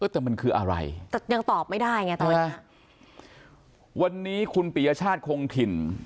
แต่มันคืออะไรแต่ยังตอบไม่ได้ไงตอนนี้คุณปียชาติคงถิ่น